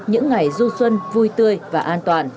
những ngày du xuân vui tươi và an toàn